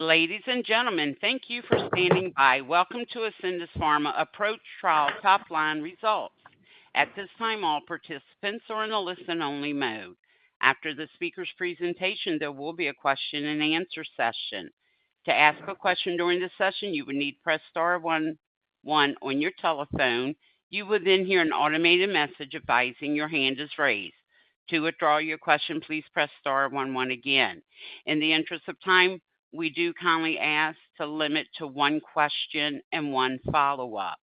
Ladies and gentlemen, thank you for standing by. Welcome to Ascendis Pharma APPROACH Trial Top Line Results. At this time, all participants are in a listen-only mode. After the speaker's presentation, there will be a question and answer session. To ask a question during the session, you will need press star one one on your telephone. You will then hear an automated message advising your hand is raised. To withdraw your question, please press star one one again. In the interest of time, we do kindly ask to limit to one question and one follow-up.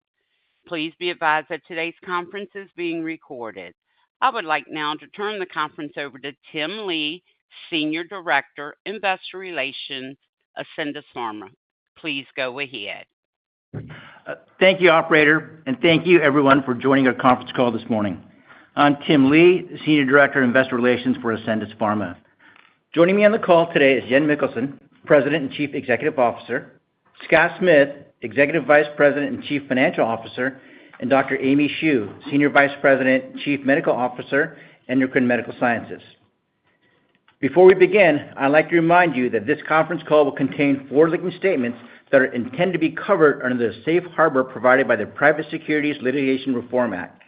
Please be advised that today's conference is being recorded. I would like now to turn the conference over to Tim Lee, Senior Director, Investor Relations, Ascendis Pharma. Please go ahead. Thank you, operator, and thank you everyone for joining our conference call this morning. I'm Tim Lee, Senior Director of Investor Relations for Ascendis Pharma. Joining me on the call today is Jan Mikkelsen, President and Chief Executive Officer, Scott Smith, Executive Vice President and Chief Financial Officer, and Dr. Aimee Shu, Senior Vice President and Chief Medical Officer, Endocrine and Medical Sciences. Before we begin, I'd like to remind you that this conference call will contain forward-looking statements that are intended to be covered under the safe harbor provided by the Private Securities Litigation Reform Act.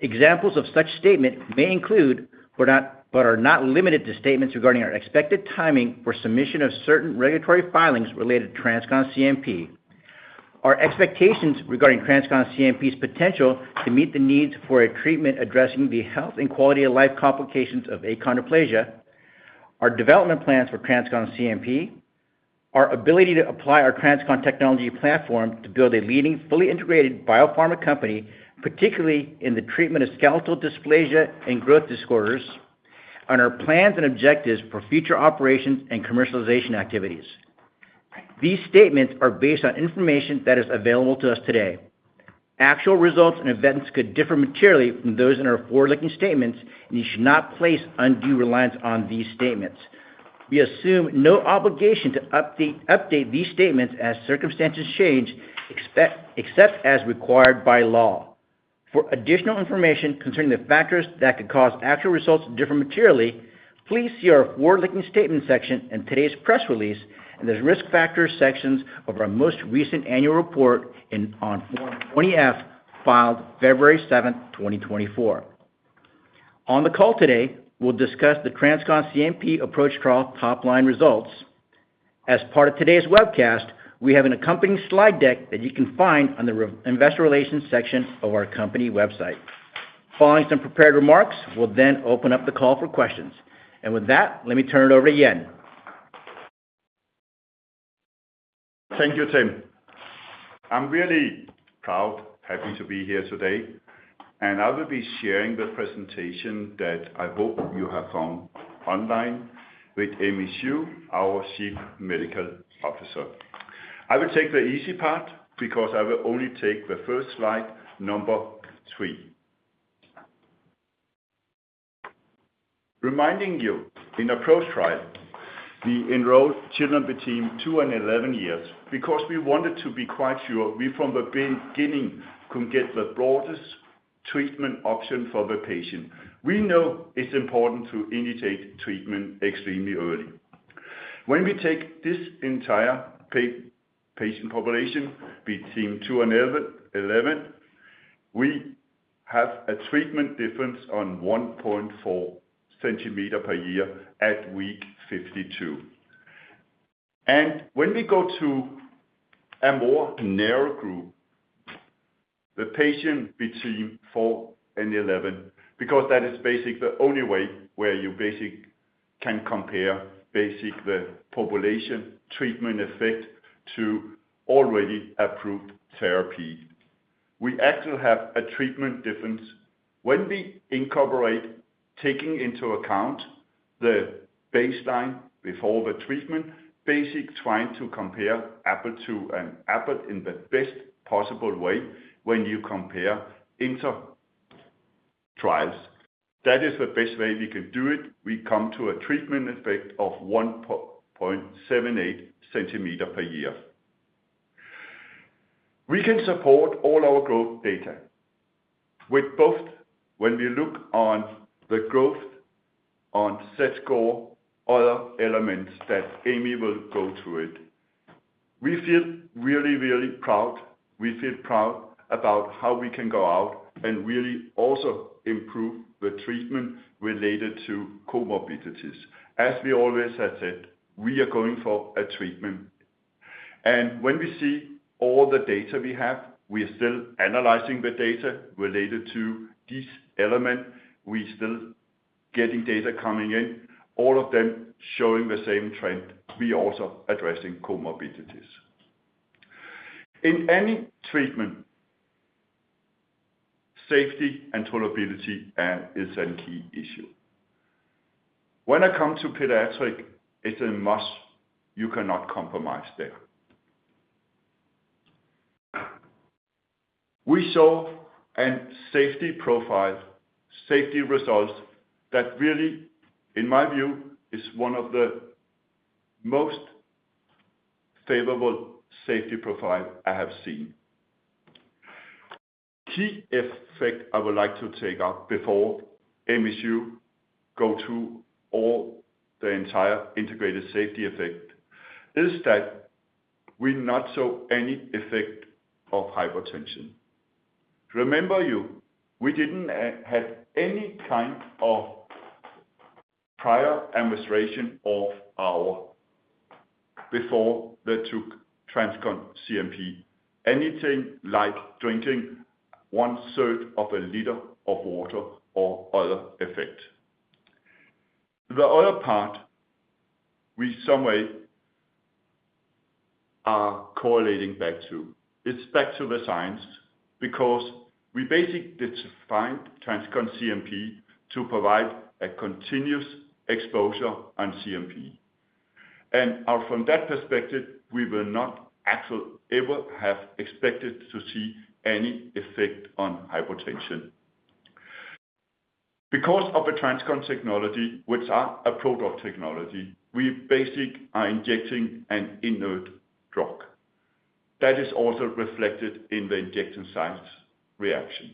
Examples of such statement may include, but are not limited to, statements regarding our expected timing for submission of certain regulatory filings related to TransCon CNP. Our expectations regarding TransCon CNP's potential to meet the needs for a treatment addressing the health and quality of life complications of achondroplasia, our development plans for TransCon CNP, our ability to apply our TransCon technology platform to build a leading, fully integrated biopharma company, particularly in the treatment of skeletal dysplasia and growth disorders, on our plans and objectives for future operations and commercialization activities. These statements are based on information that is available to us today. Actual results and events could differ materially from those in our forward-looking statements, and you should not place undue reliance on these statements. We assume no obligation to update these statements as circumstances change, except as required by law. For additional information concerning the factors that could cause actual results to differ materially, please see our forward-looking statements section in today's press release, and the risk factors sections of our most recent annual report on Form 20-F, filed February seventh, 2024. On the call today, we'll discuss the TransCon CNP APPROACH trial top-line results. As part of today's webcast, we have an accompanying slide deck that you can find on the investor relations section of our company website. Following some prepared remarks, we'll then open up the call for questions. And with that, let me turn it over to Jan. Thank you, Tim. I'm really proud, happy to be here today, and I will be sharing the presentation that I hope you have found online with Aimee Shu, our Chief Medical Officer. I will take the easy part because I will only take the first slide, number three. Reminding you, in APPROACH trial, we enrolled children between two and 11 years because we wanted to be quite sure we, from the beginning, could get the broadest treatment option for the patient. We know it's important to initiate treatment extremely early. When we take this entire patient population between two and 11, we have a treatment difference on 1.4 cm per year at week 52. When we go to a more narrow group, the patients between four and eleven, because that is basically the only way where you can compare the population treatment effect to already approved therapy. We actually have a treatment difference when we incorporate taking into account the baseline before the treatment, trying to compare apples to apples in the best possible way when you compare inter trials. That is the best way we can do it. We come to a treatment effect of 1.78 cm per year. We can support all our growth data with both when we look on the growth, on Z-score, other elements that Aimee will go through it. We feel really, really proud. We feel proud about how we can go out and really also improve the treatment related to comorbidities. As we always have said, we are going for a treatment, and when we see all the data we have, we are still analyzing the data related to this element. We still getting data coming in, all of them showing the same trend. We also addressing comorbidities. In any treatment, safety and tolerability are, is a key issue. When it come to pediatric, it's a must. You cannot compromise there. We saw a safety profile, safety results that really, in my view, is one of the most favorable safety profile I have seen. Key effect I would like to take up before Aimee Shu go to all the entire integrated safety effect, is that we not saw any effect of hypotension. Remember you, we didn't have any kind of prior administration of oral before they took TransCon CNP, anything like drinking one-third of a liter of water or other effect. The other part, we someway are correlating back to. It's back to the science, because we basically defined TransCon CNP to provide a continuous exposure on CNP. And from that perspective, we will not actually ever have expected to see any effect on hypotension. Because of the TransCon technology, which are a product technology, we basically are injecting an inert drug. That is also reflected in the injection site reaction.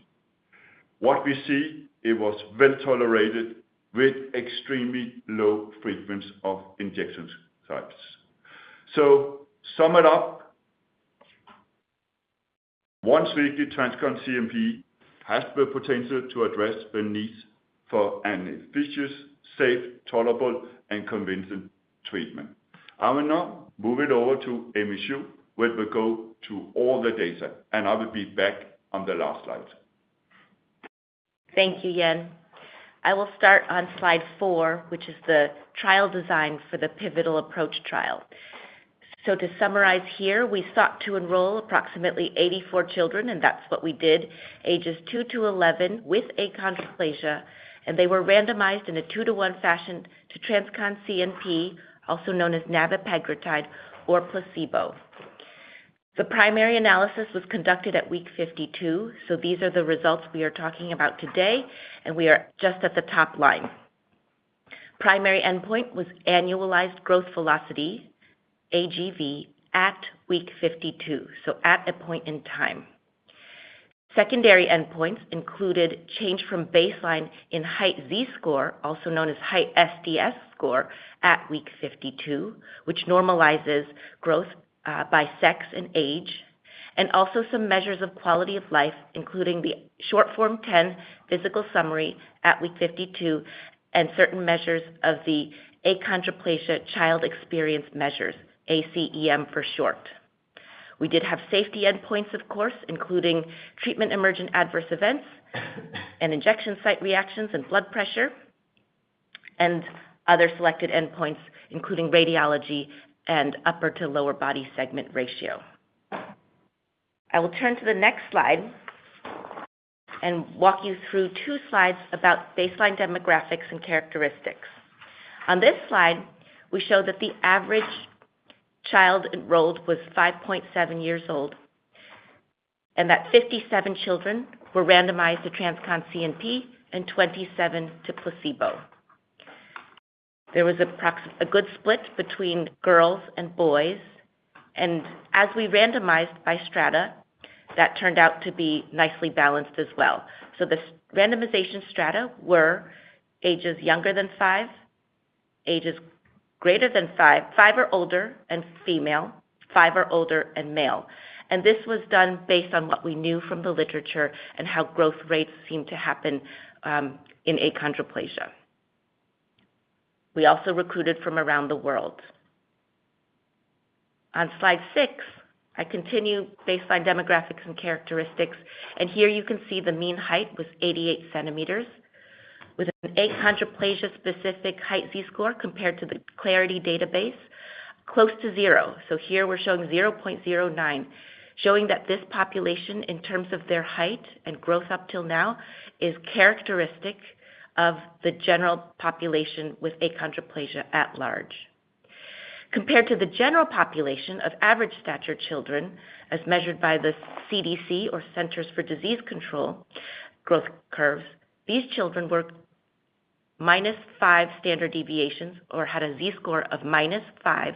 What we see, it was well tolerated with extremely low frequency of injection sites. So to sum it up, once weekly TransCon CNP has the potential to address the needs for an efficient, safe, tolerable, and convincing treatment. I will now move it over to Aimee Shu, where we go to all the data, and I will be back on the last slide. Thank you, Jan. I will start on slide four, which is the trial design for the pivotal APPROACH trial. So to summarize here, we sought to enroll approximately 84 children, and that's what we did, ages two to 11, with achondroplasia, and they were randomized in a two-to-one fashion to TransCon CNP, also known as navepegritide, or placebo. The primary analysis was conducted at week 52, so these are the results we are talking about today, and we are just at the top line. Primary endpoint was Annualized Growth Velocity, AGV, at week 52, so at a point in time. Secondary endpoints included change from baseline in height Z-score, also known as height SDS score, at week 52, which normalizes growth by sex and age, and also some measures of quality of life, including the Short Form-10 Physical Summary at week 52, and certain measures of the Achondroplasia Child Experience Measures, ACEM for short. We did have safety endpoints, of course, including treatment-emergent adverse events, and injection site reactions and blood pressure, and other selected endpoints, including radiology and upper to lower body segment ratio. I will turn to the next slide and walk you through two slides about baseline demographics and characteristics. On this slide, we show that the average child enrolled was 5.7 years old, and that 57 children were randomized to TransCon CNP and 27 to placebo. There was a good split between girls and boys, and as we randomized by strata, that turned out to be nicely balanced as well, so the randomization strata were ages younger than five, ages greater than five, five or older and female, five or older and male, and this was done based on what we knew from the literature and how growth rates seem to happen in achondroplasia. We also recruited from around the world. On slide six, I continue baseline demographics and characteristics, and here you can see the mean height was 88 cm, with an achondroplasia-specific height Z-score compared to the CLARITY Database, close to zero, so here we're showing 0.09, showing that this population, in terms of their height and growth up till now, is characteristic of the general population with achondroplasia at large. Compared to the general population of average stature children, as measured by the CDC or Centers for Disease Control growth curves, these children were minus five standard deviations or had a Z-score of minus five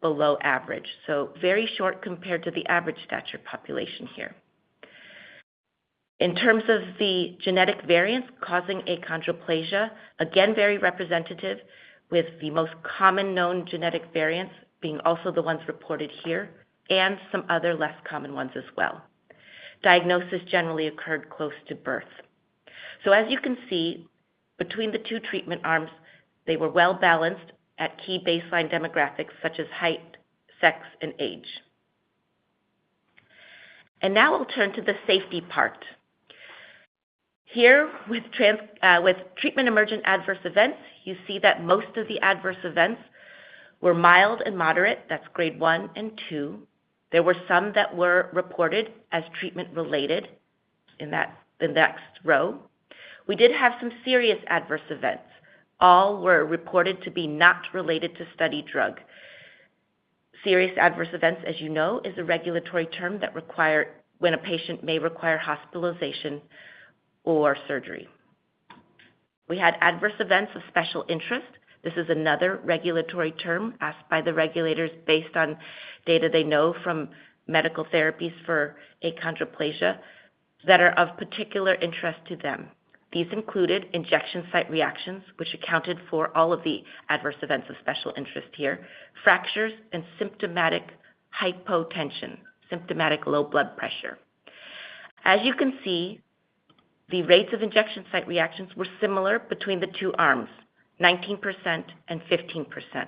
below average, so very short compared to the average stature population here. In terms of the genetic variance causing achondroplasia, again, very representative, with the most common known genetic variants being also the ones reported here and some other less common ones as well. Diagnosis generally occurred close to birth, so as you can see, between the two treatment arms, they were well-balanced at key baseline demographics such as height, sex, and age, and now we'll turn to the safety part. Here with treatment-emergent adverse events, you see that most of the adverse events were mild and moderate. That's grade one and two. There were some that were reported as treatment-related in that, the next row. We did have some serious adverse events. All were reported to be not related to study drug. Serious adverse events, as you know, is a regulatory term that requires hospitalization or surgery. We had adverse events of special interest. This is another regulatory term asked by the regulators based on data they know from medical therapies for achondroplasia that are of particular interest to them. These included injection site reactions, which accounted for all of the adverse events of special interest here, fractures and symptomatic hypotension, symptomatic low blood pressure. As you can see, the rates of injection site reactions were similar between the two arms, 19% and 15%.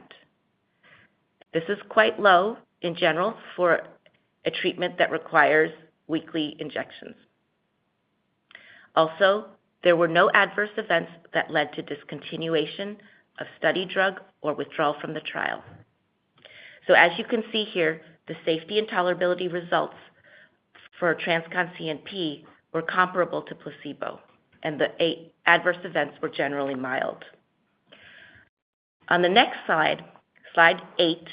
This is quite low in general for a treatment that requires weekly injections. Also, there were no adverse events that led to discontinuation of study drug or withdrawal from the trial. So as you can see here, the safety and tolerability results for TransCon CNP were comparable to placebo, and the eight adverse events were generally mild. On the next slide, slide eight,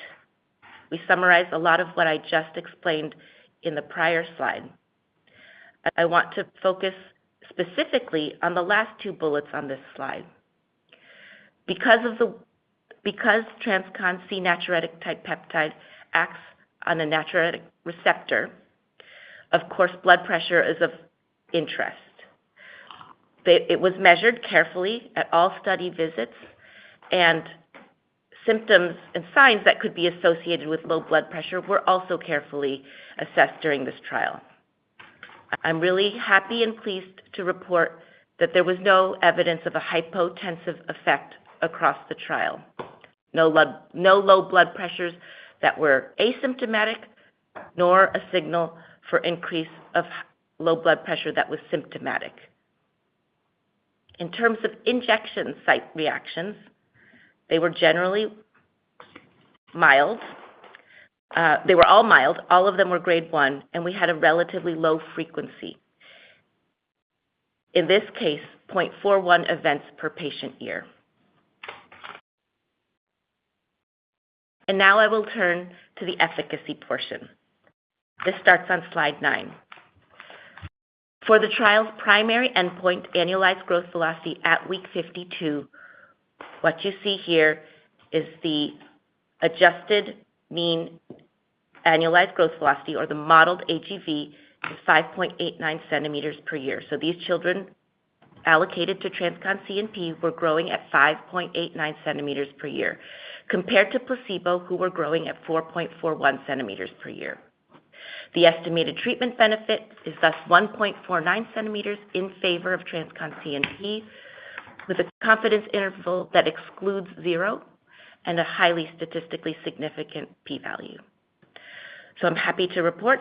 we summarize a lot of what I just explained in the prior slide. I want to focus specifically on the last two bullets on this slide. Because TransCon CNP acts on a natriuretic receptor, of course, blood pressure is of interest. But it was measured carefully at all study visits, and symptoms and signs that could be associated with low blood pressure were also carefully assessed during this trial. I'm really happy and pleased to report that there was no evidence of a hypotensive effect across the trial. No blood, no low blood pressures that were asymptomatic, nor a signal for increase of low blood pressure that was symptomatic. In terms of injection site reactions, they were generally mild. They were all mild. All of them were grade one, and we had a relatively low frequency. In this case, 0.41 events per patient year. And now I will turn to the efficacy portion. This starts on slide nine. For the trial's primary endpoint, annualized growth velocity at week 52, what you see here is the adjusted mean annualized growth velocity, or the modeled AGV, is 5.89 cm per year. So these children allocated to TransCon CNP were growing at 5.89 cm per year, compared to placebo, who were growing at 4.41 cm per year. The estimated treatment benefit is 1.49 cm in favor of TransCon CNP, with a confidence interval that excludes zero and a highly statistically significant P value. So I'm happy to report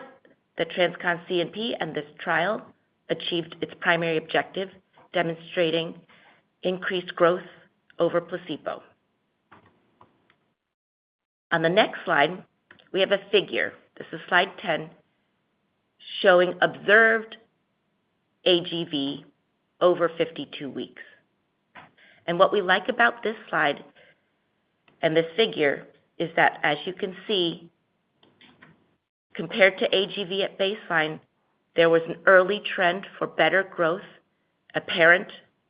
that TransCon CNP and this trial achieved its primary objective, demonstrating increased growth over placebo. On the next slide, we have a figure. This is slide ten, showing observed AGV over fifty-two weeks. And what we like about this slide and this figure is that, as you can see, compared to AGV at baseline, there was an early trend for better growth apparent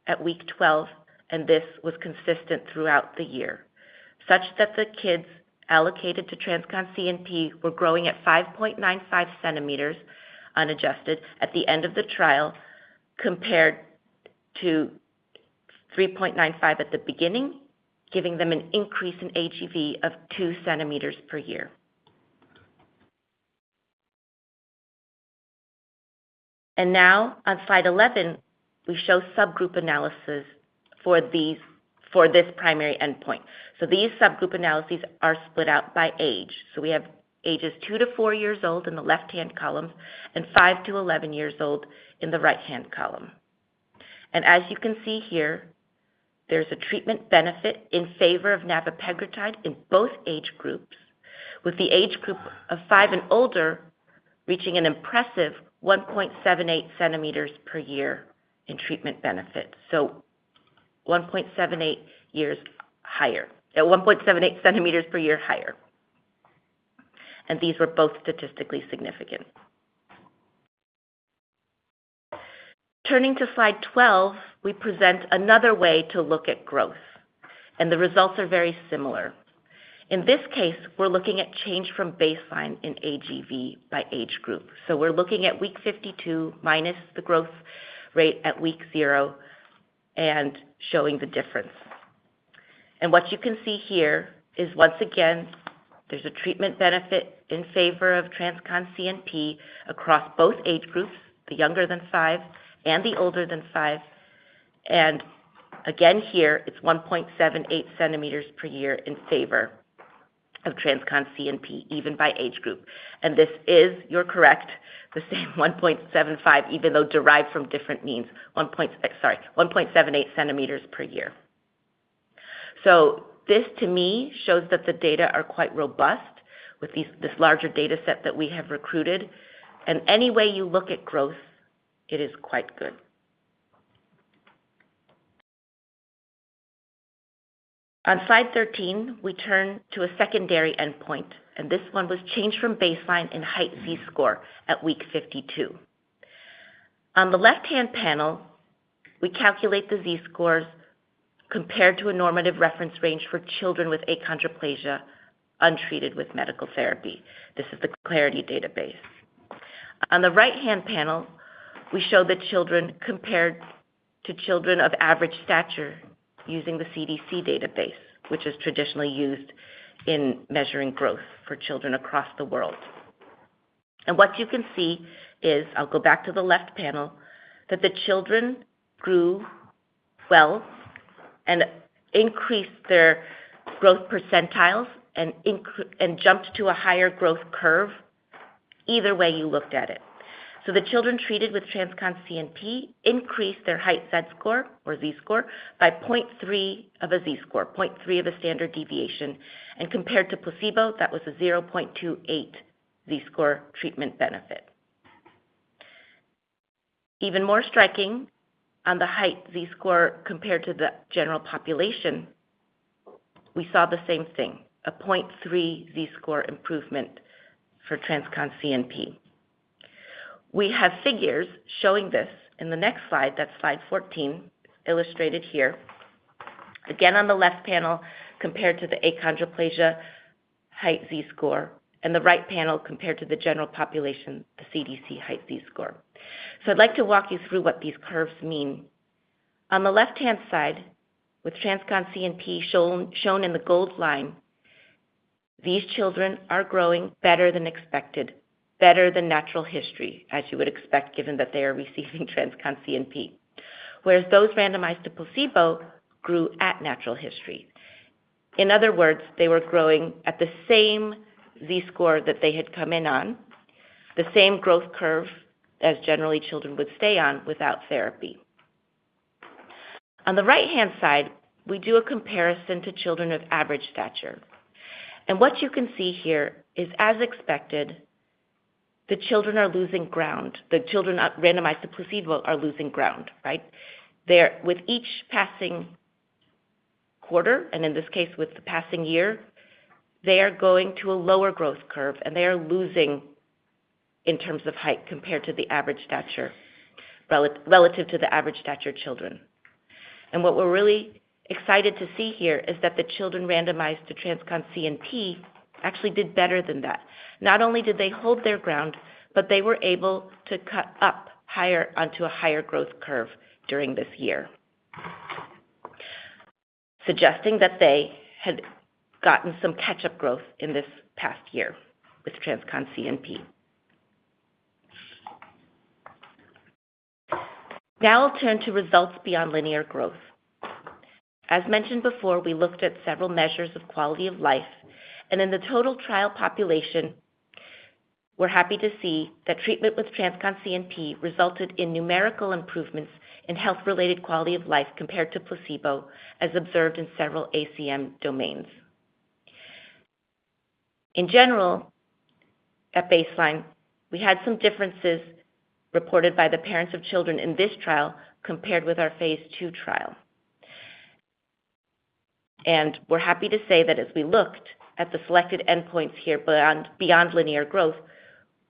at week twelve, and this was consistent throughout the year. Such that the kids allocated to TransCon CNP were growing at 5.95 cm, unadjusted, at the end of the trial, compared to three point nine five at the beginning, giving them an increase in AGV of 2 cm per year. And now on slide eleven, we show subgroup analysis for these, for this primary endpoint. So these subgroup analyses are split out by age. So we have ages two to four years old in the left-hand column and five to eleven years old in the right-hand column. And as you can see here, there's a treatment benefit in favor of nabipagratide in both age groups, with the age group of five and older reaching an impressive 1.78 cm per year in treatment benefit. So one point seven eight years higher, at 1.78 cm per year higher. These were both statistically significant. Turning to slide 12, we present another way to look at growth, and the results are very similar. In this case, we're looking at change from baseline in AGV by age group. We're looking at week 52 minus the growth rate at week 0 and showing the difference. What you can see here is, once again, there's a treatment benefit in favor of TransCon CNP across both age groups, the younger than five and the older than five. Again, here it's 1.78 cm per year in favor of TransCon CNP, even by age group. This is, you're correct, the same 1.75, even though derived from different means, 1.78 cm per year. This, to me, shows that the data are quite robust with these, this larger data set that we have recruited. Any way you look at growth, it is quite good. On slide 13, we turn to a secondary endpoint, and this one was changed from baseline in height Z-score at week fifty-two. On the left-hand panel, we calculate the Z-scores compared to a normative reference range for children with achondroplasia untreated with medical therapy. This is the Clarity database. On the right-hand panel, we show the children compared to children of average stature using the CDC database, which is traditionally used in measuring growth for children across the world. What you can see is, I'll go back to the left panel, that the children grew well and increased their growth percentiles and jumped to a higher growth curve either way you looked at it. The children treated with TransCon CNP increased their height Z-score or Z-score by 0.3 of a Z-score, 0.3 of a standard deviation, and compared to placebo, that was a 0.28 Z-score treatment benefit. Even more striking, on the height Z-score compared to the general population, we saw the same thing, a 0.3 Z-score improvement for TransCon CNP. We have figures showing this in the next slide, that's slide 14, illustrated here. Again, on the left panel, compared to the achondroplasia height Z-score, and the right panel compared to the general population, the CDC height Z-score. I'd like to walk you through what these curves mean. On the left-hand side, with TransCon CNP shown in the gold line, these children are growing better than expected, better than natural history, as you would expect, given that they are receiving TransCon CNP. Whereas those randomized to placebo grew at natural history. In other words, they were growing at the same Z-score that they had come in on, the same growth curve as generally children would stay on without therapy. On the right-hand side, we do a comparison to children of average stature. What you can see here is, as expected, the children are losing ground. The children randomized to placebo are losing ground, right? They're with each passing quarter, and in this case, with the passing year, they are going to a lower growth curve, and they are losing in terms of height compared to the average stature, relative to the average stature children. What we're really excited to see here is that the children randomized to TransCon CNP actually did better than that. Not only did they hold their ground, but they were able to cut up higher onto a higher growth curve during this year, suggesting that they had gotten some catch-up growth in this past year with TransCon CNP. Now I'll turn to results beyond linear growth. As mentioned before, we looked at several measures of quality of life, and in the total trial population, we're happy to see that treatment with TransCon CNP resulted in numerical improvements in health-related quality of life compared to placebo, as observed in several ACEM domains. In general, at baseline, we had some differences reported by the parents of children in this trial compared with our phase II trial. We're happy to say that as we looked at the selected endpoints here beyond linear growth,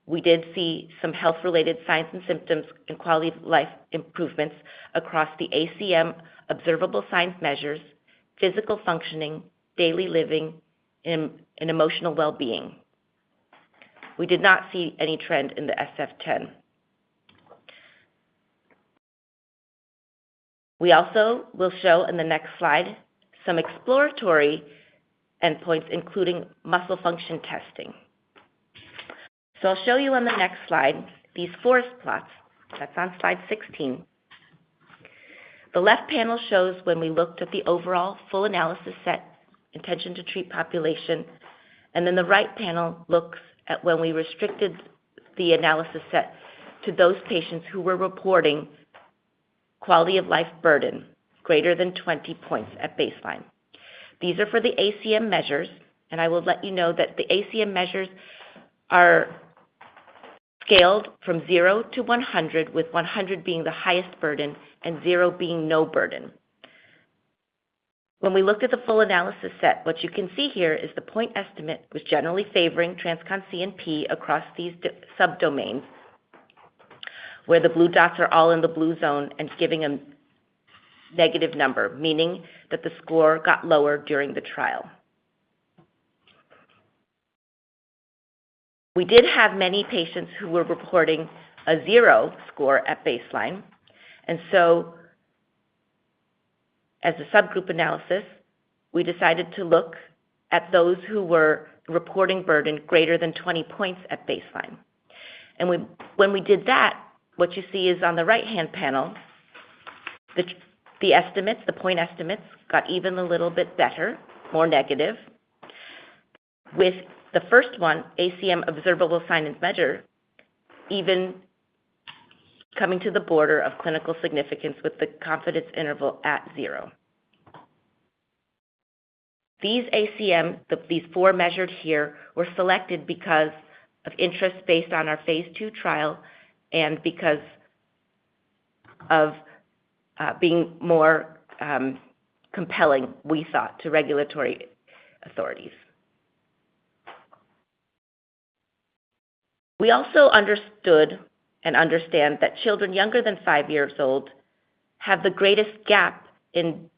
we did see some health-related signs and symptoms and quality of life improvements across the ACEM observable signs measures, physical functioning, daily living, and emotional well-being. We did not see any trend in the SF-10. We also will show in the next slide some exploratory endpoints, including muscle function testing. I'll show you on the next slide, these forest plots. That's on slide 16. The left panel shows when we looked at the overall full analysis set, intention to treat population, and then the right panel looks at when we restricted the analysis set to those patients who were reporting quality of life burden greater than 20 points at baseline. These are for the ACEM measures, and I will let you know that the ACEM measures are scaled from zero to one hundred, with one hundred being the highest burden and zero being no burden. When we looked at the full analysis set, what you can see here is the point estimate was generally favoring TransCon CNP across these domain subdomains, where the blue dots are all in the blue zone and giving a negative number, meaning that the score got lower during the trial. We did have many patients who were reporting a zero score at baseline, and so as a subgroup analysis, we decided to look at those who were reporting burden greater than twenty points at baseline. When we did that, what you see is on the right-hand panel, the estimates, the point estimates got even a little bit better, more negative. With the first one, ACEM observable sign and measure, even coming to the border of clinical significance with the confidence interval at zero. These ACEM, these four measures here were selected because of interest based on our phase II trial and because of being more compelling, we thought, to regulatory authorities. We also understood and understand that children younger than five years old have the greatest gap in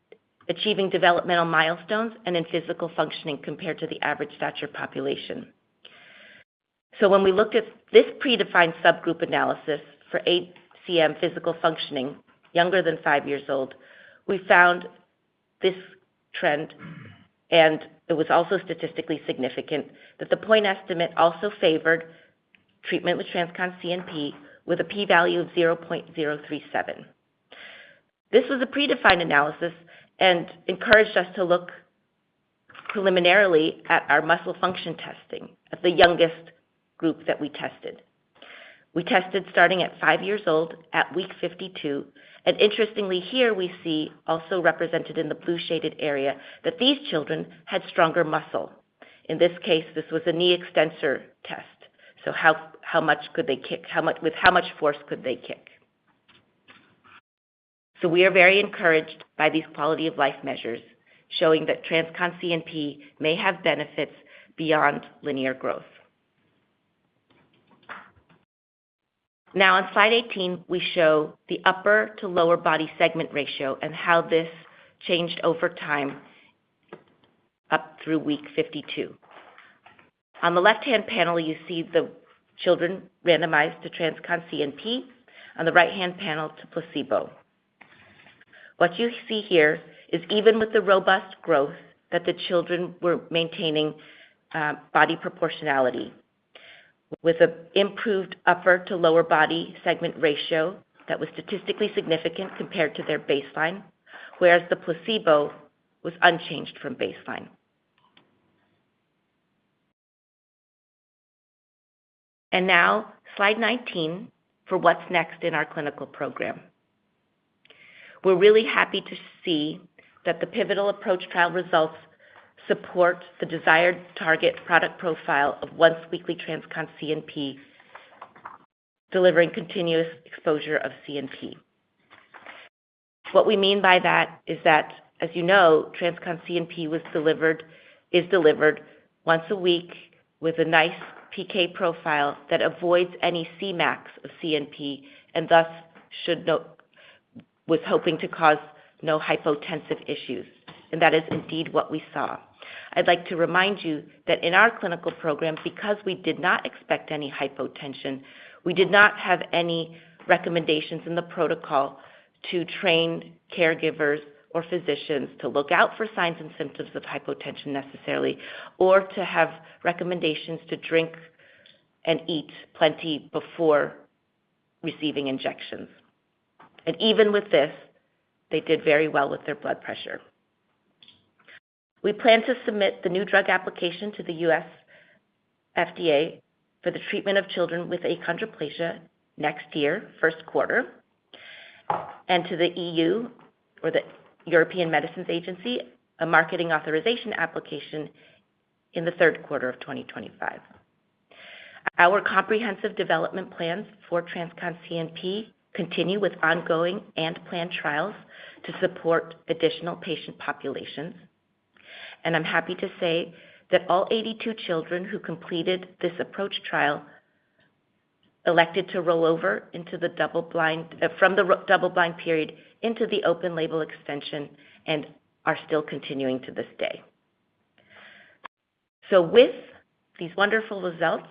achieving developmental milestones and in physical functioning compared to the average stature population. So when we looked at this predefined subgroup analysis for ACEM physical functioning, younger than five years old, we found this trend, and it was also statistically significant, that the point estimate also favored treatment with TransCon CNP with a p-value of zero point zero three seven. This was a predefined analysis and encouraged us to look preliminarily at our muscle function testing of the youngest group that we tested. We tested starting at five years old, at week 52, and interestingly, here we see also represented in the blue shaded area, that these children had stronger muscle. In this case, this was a knee extensor test, so how, how much could they kick? How much, with how much force could they kick? So we are very encouraged by these quality-of-life measures, showing that TransCon CNP may have benefits beyond linear growth. Now, on slide 18, we show the upper to lower body segment ratio and how this changed over time up through week 52. On the left-hand panel, you see the children randomized to TransCon CNP, on the right-hand panel to placebo. What you see here is even with the robust growth, that the children were maintaining, body proportionality with an improved upper to lower body segment ratio that was statistically significant compared to their baseline, whereas the placebo was unchanged from baseline. And now slide 19 for what's next in our clinical program. We're really happy to see that the pivotal APPROACH trial results support the desired target product profile of once-weekly TransCon CNP, delivering continuous exposure of CNP. What we mean by that is that, as you know, TransCon CNP was delivered, is delivered once a week with a nice PK profile that avoids any Cmax of CNP and thus should not cause hypotensive issues. And that is indeed what we saw. I'd like to remind you that in our clinical program, because we did not expect any hypotension, we did not have any recommendations in the protocol to train caregivers or physicians to look out for signs and symptoms of hypotension necessarily, or to have recommendations to drink and eat plenty before receiving injections, and even with this, they did very well with their blood pressure. We plan to submit the New Drug Application to the U.S. FDA for the treatment of children with achondroplasia next year, first quarter, and to the EU or the European Medicines Agency, a Marketing Authorization Application in the third quarter of twenty twenty-five. Our comprehensive development plans for TransCon CNP continue with ongoing and planned trials to support additional patient populations. And I'm happy to say that all 82 children who completed this APPROACH trial elected to roll over from the double-blind period into the open-label extension and are still continuing to this day. So with these wonderful results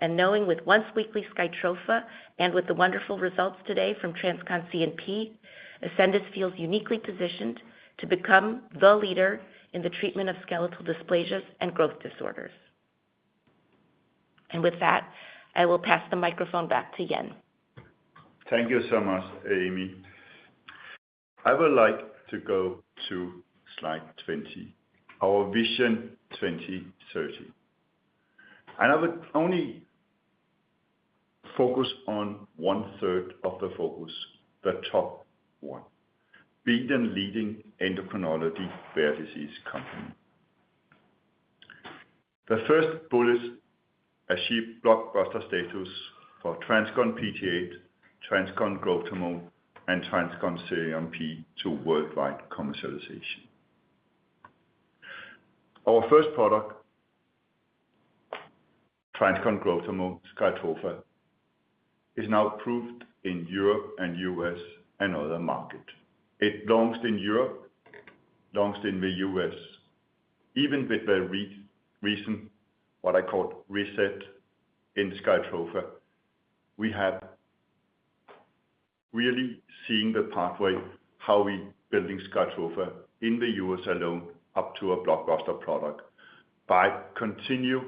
and knowing with once weekly Skytrofa and with the wonderful results today from TransCon CNP, Ascendis feels uniquely positioned to become the leader in the treatment of skeletal dysplasias and growth disorders. And with that, I will pass the microphone back to Jan. Thank you so much, Aimee. I would like to go to slide 20, our Vision 2030. I would only focus on one-third of the focus, the top one, being the leading endocrinology rare disease company. The first bullet, achieve blockbuster status for TransCon PTH, TransCon Growth Hormone, and TransCon CNP to worldwide commercialization. Our first product, TransCon Growth Hormone Skytrofa, is now approved in Europe and U.S. and other market. It launched in Europe, launched in the U.S. Even with the recent, what I call reset in Skytrofa, we have really seen the pathway, how we building Skytrofa in the U.S. alone up to a blockbuster product by continue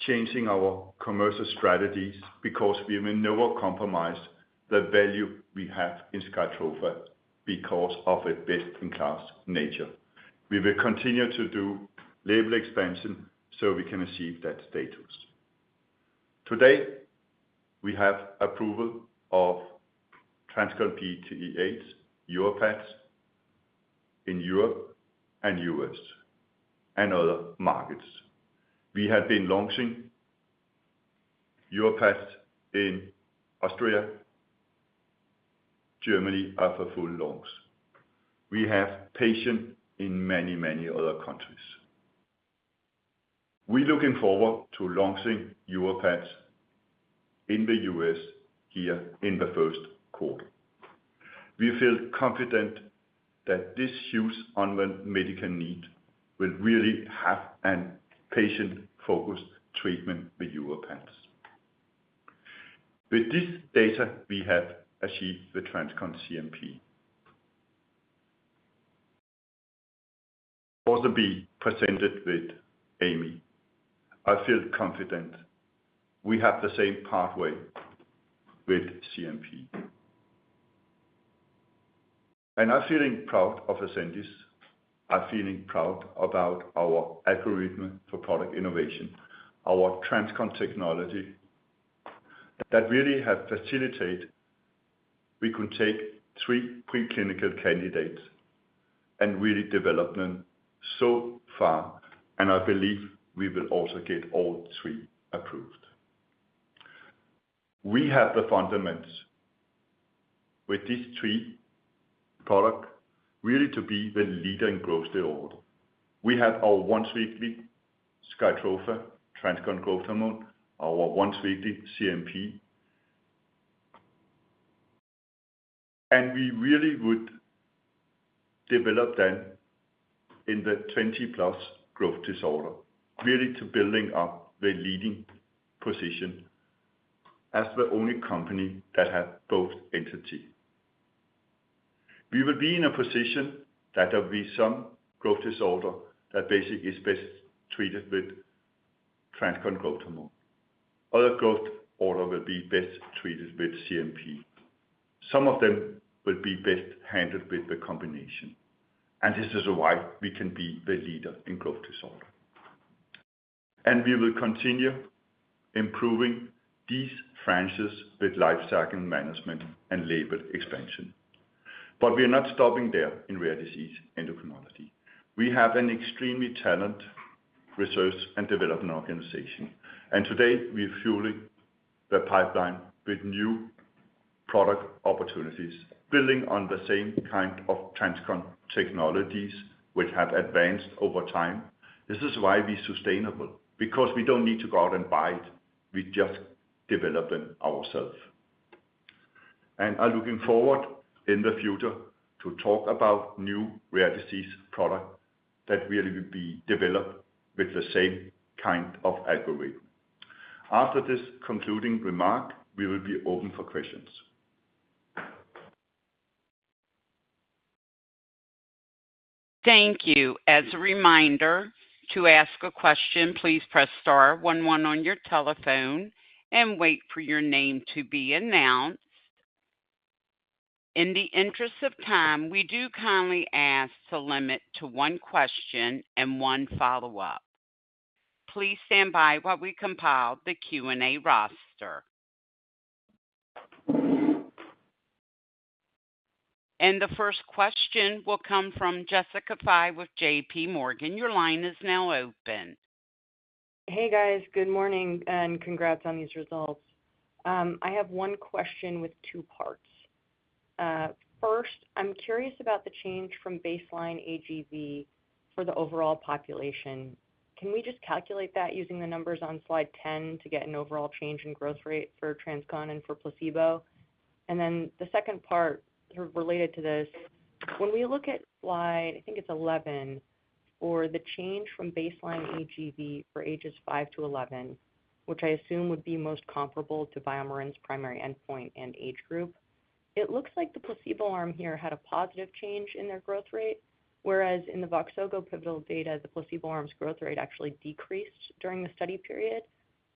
changing our commercial strategies, because we will never compromise the value we have in Skytrofa because of its best-in-class nature. We will continue to do label expansion so we can achieve that status. Today, we have approval of TransCon PTH, Yorvipath in Europe and U.S., and other markets. We have been launching Yorvipath in Austria, Germany and are for full launch. We have patients in many, many other countries. We're looking forward to launching Yorvipath in the U.S. here in the first quarter. We feel confident that this huge unmet medical need will really have a patient-focused treatment with Yorvipath. With this data, we have achieved the TransCon CNP. Also be presented with Aimee. I feel confident we have the same pathway with CNP. And I'm feeling proud of Ascendis. I'm feeling proud about our algorithm for product innovation, our TransCon technology, that really have facilitate. We could take three preclinical candidates and really develop them so far, and I believe we will also get all three approved. We have the fundamentals with these three product really to be the leader in growth disorder. We have our once-weekly Skytrofa TransCon growth hormone, our once-weekly CNP. And we really would develop then in the twenty-plus growth disorder, really to building up the leading position as the only company that has both entity. We will be in a position that there will be some growth disorder that basically is best treated with TransCon growth hormone. Other growth disorder will be best treated with CNP. Some of them will be best handled with the combination, and this is why we can be the leader in growth disorder. And we will continue improving these franchises with lifecycle management and label expansion. But we are not stopping there in rare disease endocrinology. We have an extremely talented research and development organization, and today we are fueling the pipeline with new product opportunities, building on the same kind of TransCon technologies which have advanced over time. This is why we're sustainable, because we don't need to go out and buy it. We just develop them ourselves. And I'm looking forward in the future to talk about new rare disease product that really will be developed with the same kind of algorithm. After this concluding remark, we will be open for questions. Thank you. As a reminder, to ask a question, please press star one one on your telephone and wait for your name to be announced. In the interest of time, we do kindly ask to limit to one question and one follow-up. Please stand by while we compile the Q&A roster. The first question will come from Jessica Fye with JPMorgan. Your line is now open. Hey, guys. Good morning, and congrats on these results. I have one question with two parts. First, I'm curious about the change from baseline AGV for the overall population. Can we just calculate that using the numbers on slide 10 to get an overall change in growth rate for TransCon and for placebo? And then the second part, sort of related to this, when we look at slide, I think it's 11, for the change from baseline AGV for ages five to 11, which I assume would be most comparable to BioMarin's primary endpoint and age group, it looks like the placebo arm here had a positive change in their growth rate, whereas in the Voxzogo pivotal data, the placebo arm's growth rate actually decreased during the study period.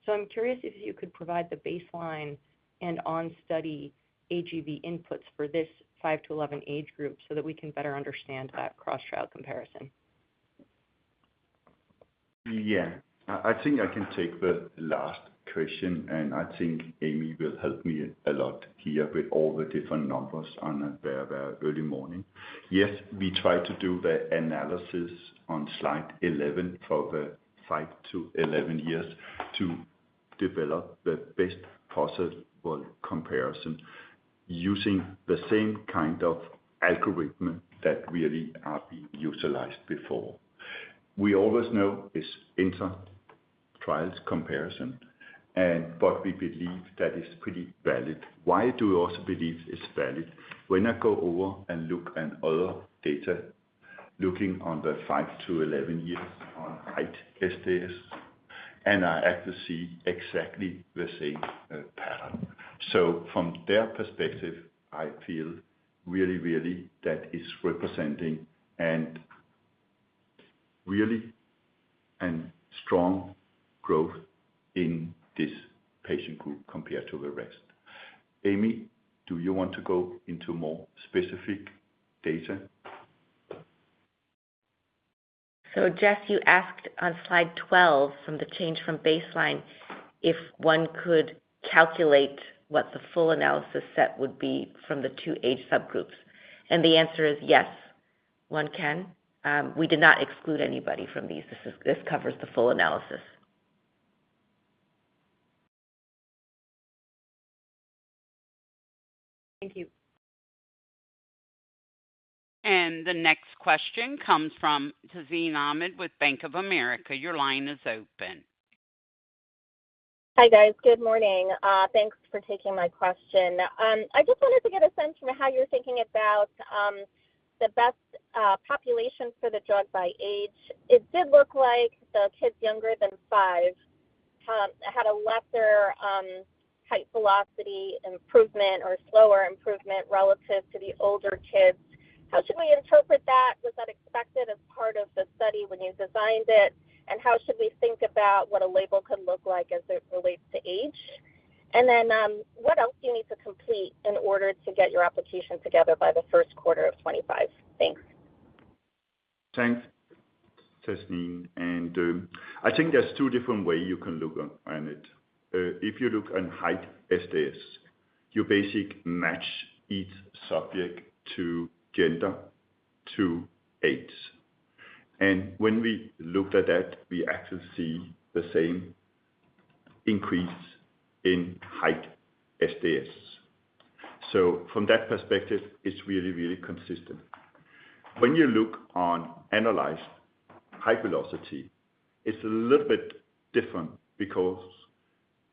So I'm curious if you could provide the baseline and on study AGV inputs for this five to eleven age group so that we can better understand that cross trial comparison? Yeah. I, I think I can take the last question, and I think Aimee will help me a lot here with all the different numbers on a very, very early morning. Yes, we tried to do the analysis on slide 11 for the five to 11 years to develop the best possible comparison using the same kind of algorithm that really have been utilized before. We always know it's inter-trials comparison, and but we believe that is pretty valid. Why do we also believe it's valid? When I go over and look at other data, looking on the five to 11 years on height SDS, and I have to see exactly the same pattern. So from their perspective, I feel really, really that is representing and really and strong growth in this patient group compared to the rest. Aimee, do you want to go into more specific data? ... So Jess, you asked on slide 12 from the change from baseline, if one could calculate what the full analysis set would be from the two age subgroups, and the answer is yes, one can. We did not exclude anybody from these. This is, this covers the full analysis. Thank you. The next question comes from Tazeen Ahmad with Bank of America. Your line is open. Hi, guys. Good morning. Thanks for taking my question. I just wanted to get a sense from how you're thinking about the best population for the drug by age. It did look like the kids younger than five had a lesser height velocity improvement or slower improvement relative to the older kids. How should we interpret that? Was that expected as part of the study when you designed it? And how should we think about what a label could look like as it relates to age? And then, what else do you need to complete in order to get your application together by the first quarter of 2025? Thanks. Thanks, Tazeen. And I think there's two different ways you can look at it. If you look at height SDS, you basically match each subject to gender, to age. And when we looked at that, we actually see the same increase in height SDS. So from that perspective, it's really, really consistent. When you look at annualized height velocity, it's a little bit different because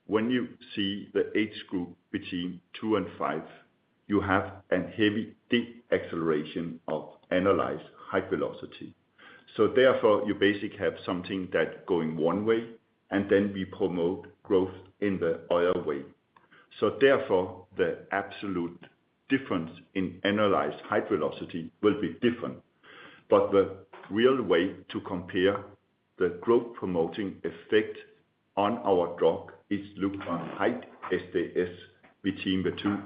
when you see the age group between two and five, you have a heavy, deep acceleration of annualized height velocity. So therefore, you basically have something that's going one way, and then we promote growth in the other way. So therefore, the absolute difference in annualized height velocity will be different. But the real way to compare the growth-promoting effect on our drug is look at height SDS between the two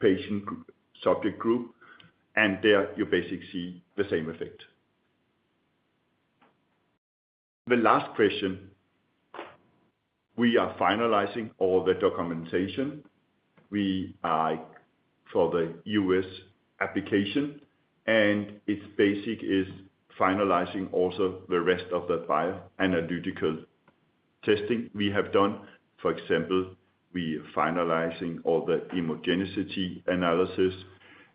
patient subject groups, and there, you basically see the same effect. The last question, we are finalizing all the documentation. We are for the U.S. application, and it's basically finalizing also the rest of the bioanalytical testing we have done. For example, we are finalizing all the immunogenicity analysis.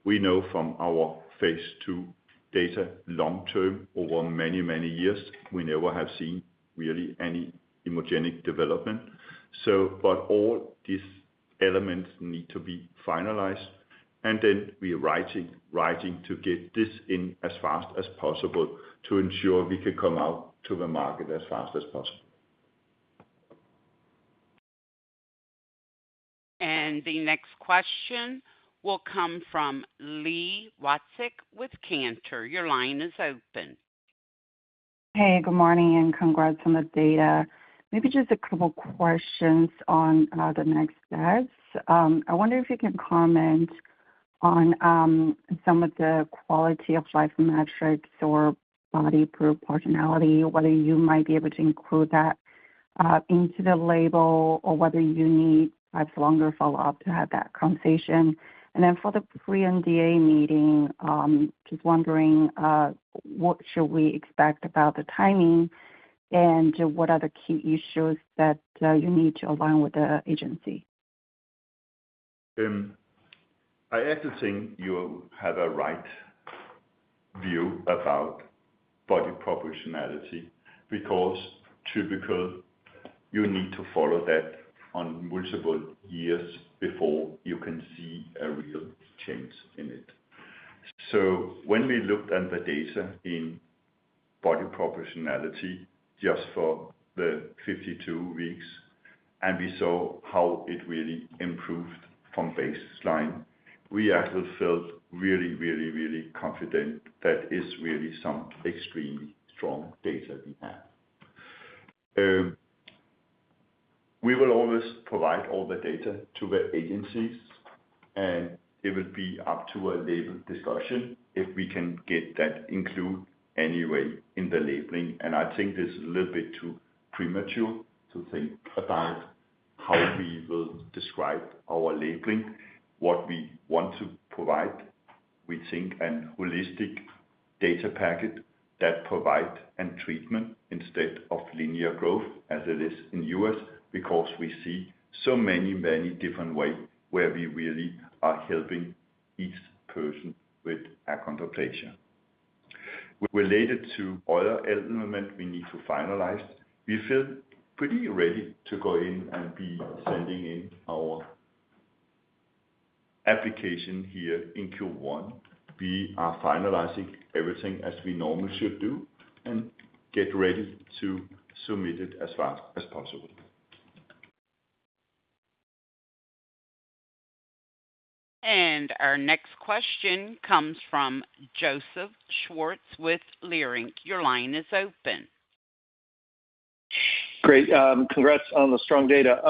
We know from our phase II data long-term, over many, many years, we never have seen really any immunogenicity. So but all these elements need to be finalized, and then we are writing to get this in as fast as possible to ensure we can come out to the market as fast as possible. The next question will come from Li Watsek with Cantor. Your line is open. Hey, good morning, and congrats on the data. Maybe just a couple questions on the next steps. I wonder if you can comment on some of the quality of life metrics or body proportionality, whether you might be able to include that into the label, or whether you need much longer follow-up to have that conversation. And then for the pre-NDA meeting, just wondering what should we expect about the timing, and what are the key issues that you need to align with the agency? I actually think you have a right view about body proportionality, because typically, you need to follow that on multiple years before you can see a real change in it. So when we looked at the data in body proportionality just for the fifty-two weeks, and we saw how it really improved from baseline, we actually felt really, really, really confident that is really some extremely strong data we have. We will always provide all the data to the agencies, and it will be up to a label discussion if we can get that included anyway in the labeling. And I think this is a little bit too premature to think about how we will describe our labeling. What we want to provide, we think a holistic data packet that provide a treatment instead of linear growth, as it is in U.S., because we see so many, many different way where we really are helping each person with achondroplasia. Related to other element we need to finalize, we feel pretty ready to go in and be sending in our application here in Q1. We are finalizing everything as we normally should do and get ready to submit it as fast as possible. And our next question comes from Joseph Schwartz with Leerink. Your line is open.... Great. Congrats on the strong data.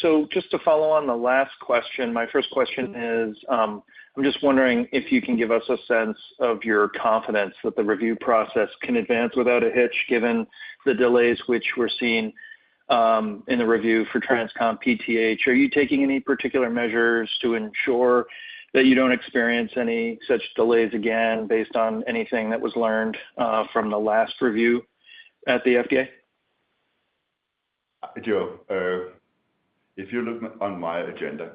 So just to follow on the last question, my first question is, I'm just wondering if you can give us a sense of your confidence that the review process can advance without a hitch, given the delays which we're seeing, in the review for TransCon PTH? Are you taking any particular measures to ensure that you don't experience any such delays again, based on anything that was learned, from the last review at the FDA? Joe, if you look on my agenda,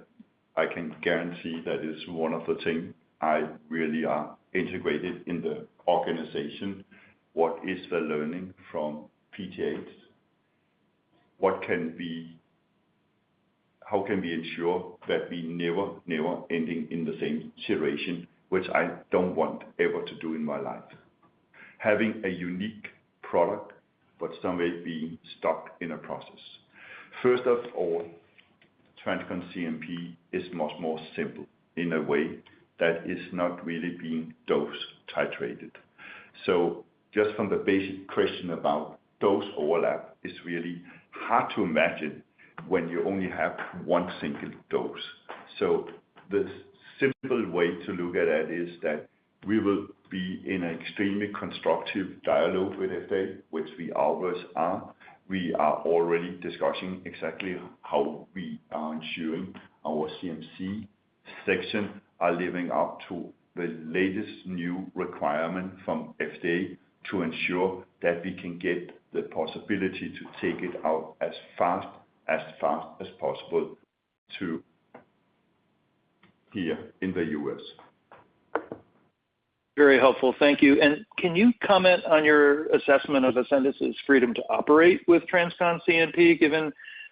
I can guarantee that is one of the things I really are integrated in the organization. What is the learning from PTH? What can we- how can we ensure that we never, never ending in the same situation, which I don't want ever to do in my life? Having a unique product, but somewhere being stuck in a process. First of all, TransCon CNP is much more simple in a way that is not really being dose titrated. So just from the basic question about dose overlap, it's really hard to imagine when you only have one single dose. So the simple way to look at that is that we will be in an extremely constructive dialogue with FDA, which we always are. We are already discussing exactly how we are ensuring our CMC section are living up to the latest new requirement from FDA to ensure that we can get the possibility to take it out as fast, as fast as possible to here in the U.S. Very helpful. Thank you. And can you comment on your assessment of Ascendis' freedom to operate with TransCon CNP, given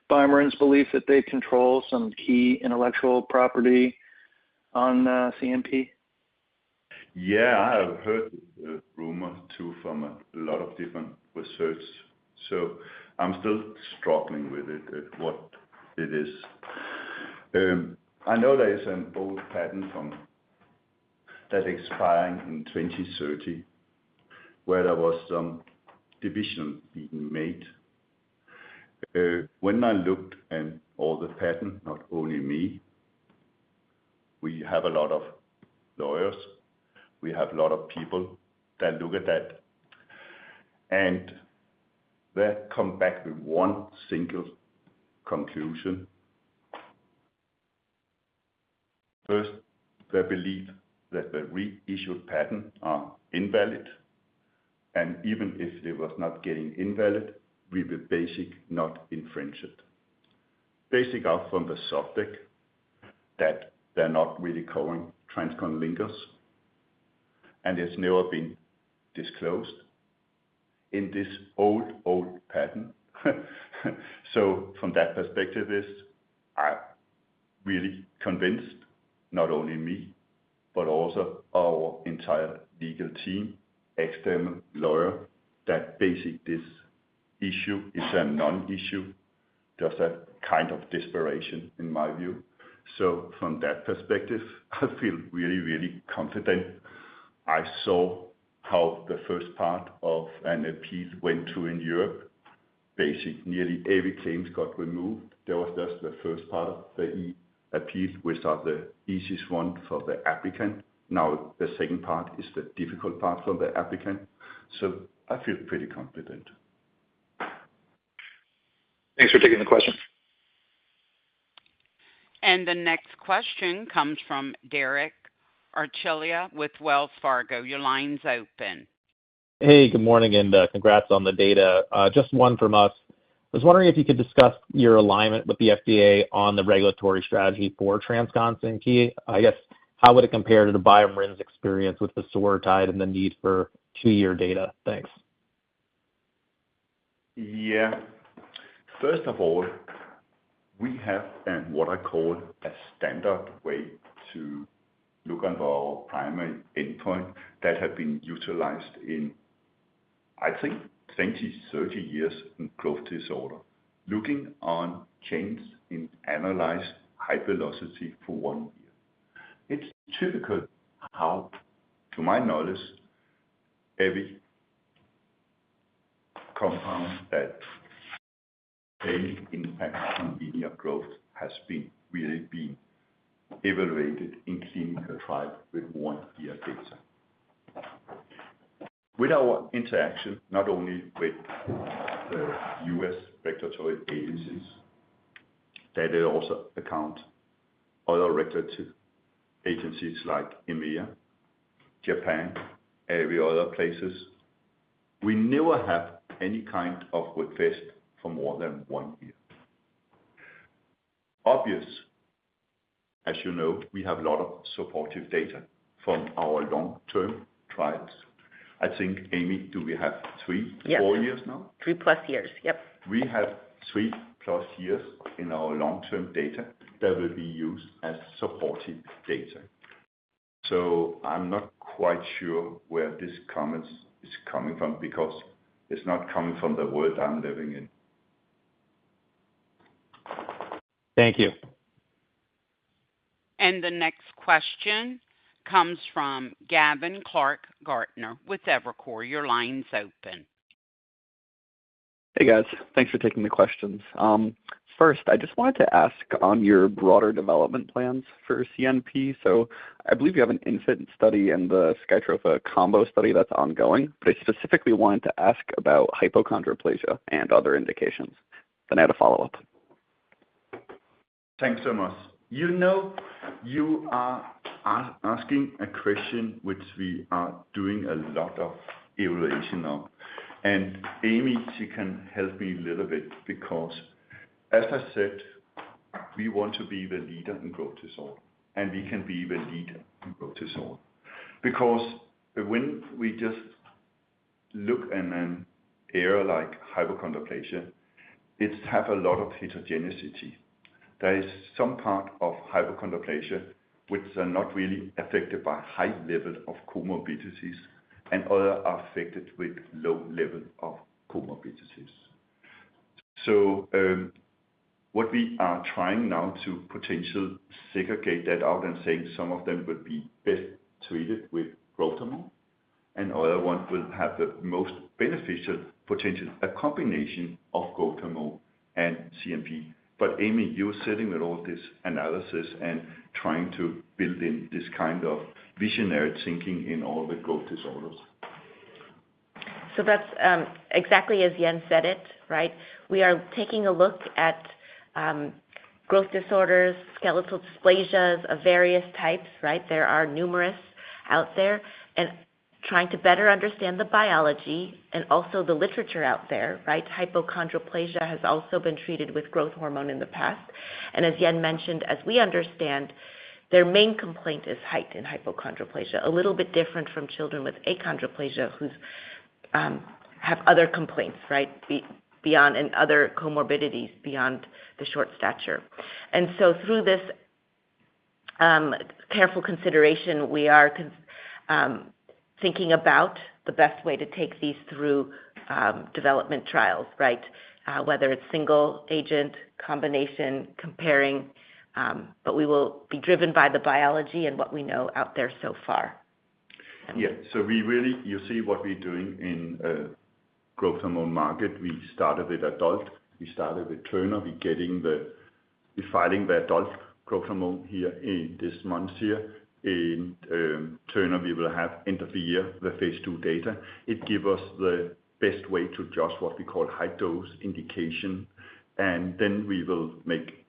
BioMarin's belief that they control some key intellectual property on, CNP? Yeah, I have heard a rumor, too, from a lot of different researchers, so I'm still struggling with what it is. I know there is an old patent from... that expiring in 2030, where there was some division being made. When I looked at all the patent, not only me, we have a lot of lawyers, we have a lot of people that look at that, and they come back with one single conclusion. First, they believe that the reissued patents are invalid, and even if it was not getting invalid, we will basically not infringe it. Basically from the aspect that they're not really claiming TransCon linkers, and it's never been disclosed in this old, old patent. So from that perspective is, I'm really convinced, not only me, but also our entire legal team, external lawyers, that basically this issue is a non-issue. Just a kind of desperation in my view. So from that perspective, I feel really, really confident. I saw how the first part of an appeal went through in Europe. Basically, nearly every claims got removed. There was just the first part of the e-appeal, which are the easiest one for the applicant. Now, the second part is the difficult part for the applicant. So I feel pretty confident. Thanks for taking the question. The next question comes from Derek Archila with Wells Fargo. Your line's open. Hey, good morning, and, congrats on the data. Just one from us. I was wondering if you could discuss your alignment with the FDA on the regulatory strategy for TransCon CNP. I guess, how would it compare to the BioMarin's experience with the Vosoritide and the need for two-year data? Thanks. Yeah. First of all, we have what I call a standard way to look on our primary endpoint that have been utilized in, I think, 20, 30 years in growth disorder, looking on change in annualized height velocity for one year. It's typical how, to my knowledge, every compound that any impact on linear growth has been, really been evaluated in clinical trial with one-year data. With our interaction, not only with the U.S. regulatory agencies, that it also account other regulatory agencies like EMEA, Japan, every other places, we never have any kind of request for more than one year. Obviously, as you know, we have a lot of supportive data from our long-term trials. I think, Aimee, do we have three- Yep. four years now? Three-plus years. Yep. We have three-plus years in our long-term data that will be used as supportive data. So I'm not quite sure where this comment is coming from, because it's not coming from the world I'm living in.... Thank you. And the next question comes from Gavin Clark-Gartner with Evercore ISI. Your line's open. Hey, guys. Thanks for taking the questions. First, I just wanted to ask on your broader development plans for CNP. So I believe you have an infant study in the Skytrofa combo study that's ongoing, but I specifically wanted to ask about hypochondroplasia and other indications. Then I had a follow-up. Thanks so much. You know, you are asking a question which we are doing a lot of evaluation on, and Aimee, she can help me a little bit because as I said, we want to be the leader in growth disorder, and we can be the leader in growth disorder. Because when we just look in an area like hypochondroplasia, it's have a lot of heterogeneity. There is some part of hypochondroplasia which are not really affected by high level of comorbidities, and other are affected with low level of comorbidities. So, what we are trying now to potentially segregate that out and saying some of them would be best treated with growth hormone, and other one will have the most beneficial potential, a combination of growth hormone and CNP. But Aimee, you're sitting with all this analysis and trying to build in this kind of visionary thinking in all the growth disorders. So that's exactly as Jan said it, right? We are taking a look at growth disorders, skeletal dysplasias of various types, right? There are numerous out there, and trying to better understand the biology and also the literature out there, right? Hypochondroplasia has also been treated with growth hormone in the past. And as Jan mentioned, as we understand, their main complaint is height in hypochondroplasia, a little bit different from children with achondroplasia who have other complaints, right? Beyond and other comorbidities beyond the short stature. And so through this careful consideration, we are thinking about the best way to take these through development trials, right? Whether it's single agent, combination, comparing, but we will be driven by the biology and what we know out there so far. Yeah. So we really, you see what we're doing in the growth hormone market. We started with adult, we started with Turner. We're filing the adult growth hormone here in this month here. In Turner, we will have end of the year, the phase II data. It give us the best way to adjust what we call high dose indication, and then we will make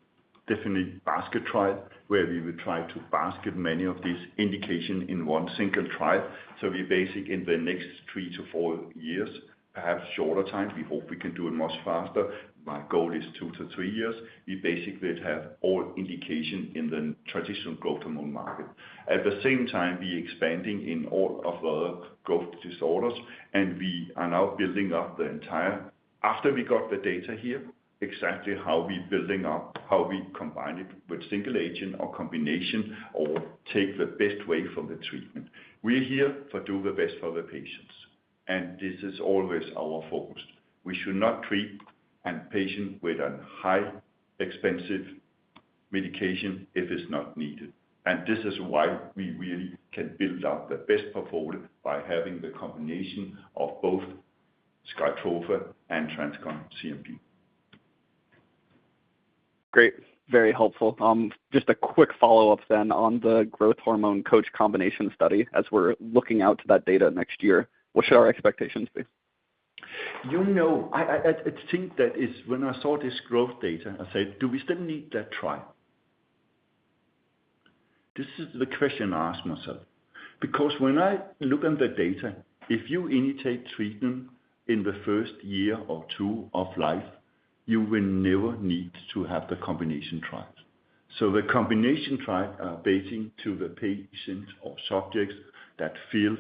definitely basket trial, where we will try to basket many of these indication in one single trial. So we basically in the next three to four years, perhaps shorter time, we hope we can do it much faster. My goal is two to three years. We basically have all indication in the traditional growth hormone market. At the same time, we expanding in all of our growth disorders, and we are now building up the entire... After we got the data here, exactly how we building up, how we combine it with single agent or combination, or take the best way for the treatment. We're here for do the best for the patients, and this is always our focus. We should not treat a patient with a high, expensive medication if it's not needed, and this is why we really can build out the best portfolio by having the combination of both Skytrofa and TransCon CNP. Great, very helpful. Just a quick follow-up then on the TransCon growth hormone combination study. As we're looking out to that data next year, what should our expectations be? You know, I think that is when I saw this growth data, I said, "Do we still need that trial?" This is the question I ask myself, because when I look at the data, if you initiate treatment in the first year or two of life, you will never need to have the combination trials. So the combination trial, basing to the patients or subjects that feel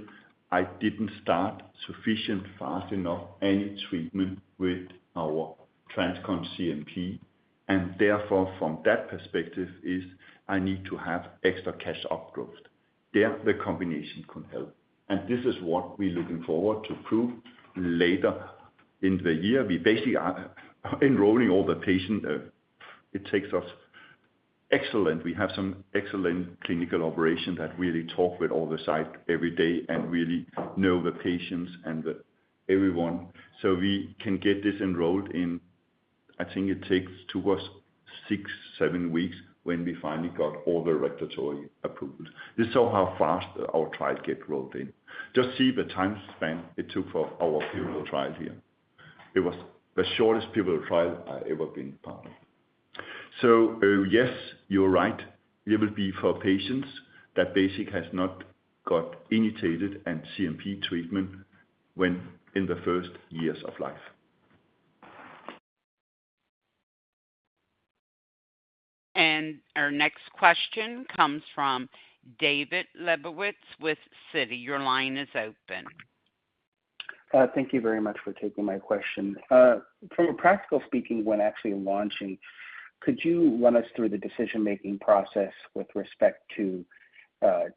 I didn't start sufficient, fast enough, any treatment with our TransCon CNP, and therefore from that perspective is I need to have extra catch-up growth. There, the combination could help, and this is what we're looking forward to prove later in the year. We basically are enrolling all the patients. It takes us excellent. We have some excellent clinical operation that really talk with all the site every day and really know the patients and the everyone. So we can get this enrolled in. I think it takes us six, seven weeks when we finally got all the regulatory approvals. You saw how fast our trial get rolled in. Just see the time span it took for our pivotal trial here. It was the shortest pivotal trial I ever been part of. So, yes, you're right. It will be for patients that basically has not got initiated on CNP treatment within the first years of life. Our next question comes from David Lebowitz with Citi. Your line is open. Thank you very much for taking my question. From a practical speaking, when actually launching, could you run us through the decision-making process with respect to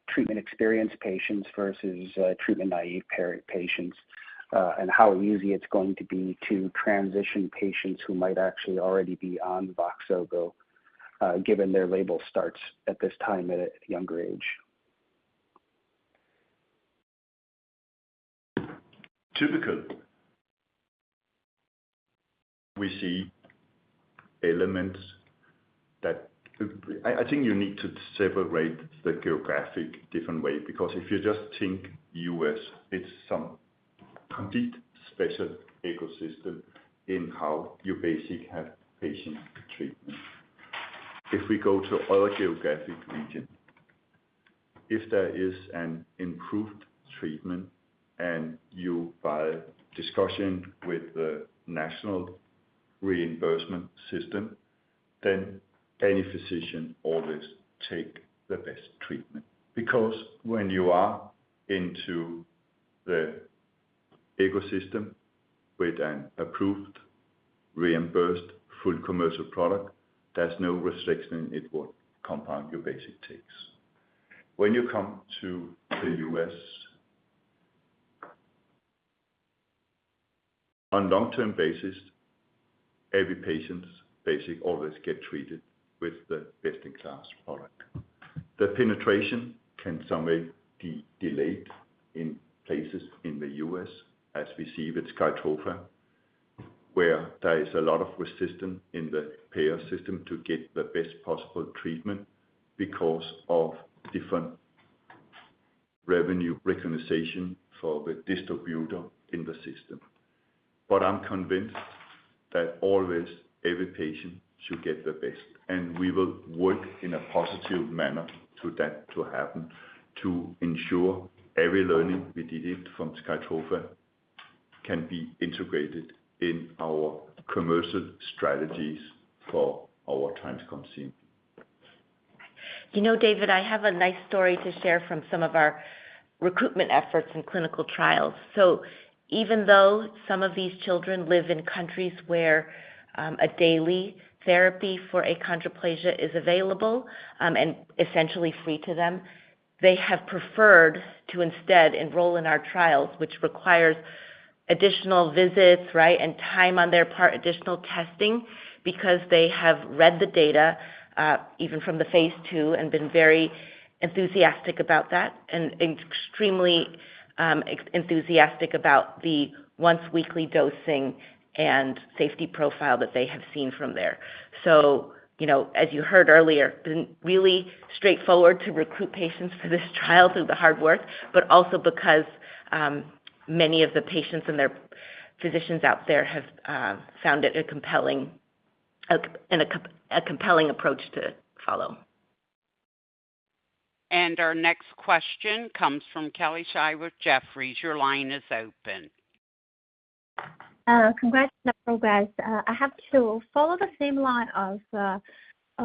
treatment-experienced patients versus treatment-naive patients, and how easy it's going to be to transition patients who might actually already be on Voxzogo, given their label starts at this time at a younger age? Typically, we see elements that I think you need to separate the geographic different way, because if you just think US, it's some complete special ecosystem in how you basically have patient treatment. If we go to other geographic region, if there is an improved treatment and by discussion with the national reimbursement system, then any physician always take the best treatment. Because when you are into the ecosystem with an approved, reimbursed, full commercial product, there's no restriction in what compound you basically takes. When you come to the US, on long-term basis, every patient basically always get treated with the best-in-class product. The penetration can some way be delayed in places in the US, as we see with Skytrofa, where there is a lot of resistance in the payer system to get the best possible treatment because of different revenue recognition for the distributor in the system. But I'm convinced that always, every patient should get the best, and we will work in a positive manner to that to happen, to ensure every learning we did it from Skytrofa can be integrated in our commercial strategies for our TransCon CNP. You know, David, I have a nice story to share from some of our recruitment efforts in clinical trials. So even though some of these children live in countries where a daily therapy for achondroplasia is available, and essentially free to them, they have preferred to instead enroll in our trials, which requires additional visits, right? And time on their part, additional testing, because they have read the data, even from the phase II, and been very enthusiastic about that, and extremely enthusiastic about the once-weekly dosing and safety profile that they have seen from there. So, you know, as you heard earlier, been really straightforward to recruit patients for this trial through the hard work, but also because many of the patients and their physicians out there have found it a compelling approach to follow. Our next question comes from Kelly Shi with Jefferies. Your line is open. Congrats on the progress. I have to follow the same line of a